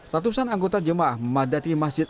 ratusan anggota jemaah memadati masjid